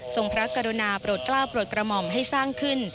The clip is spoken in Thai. พระกรุณาโปรดกล้าวโปรดกระหม่อมให้สร้างขึ้น